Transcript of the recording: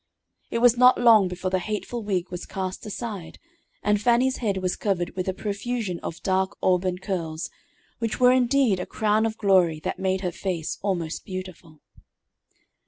It was not long before the hateful wig was cast aside, and Fannie's head was covered with a profusion of dark auburn curls, which were indeed a crown of glory that made her face almost beautiful.